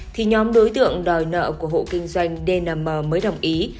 thì nhóm đối tượng đòi nợ của hộ kinh doanh dm mới đồng ý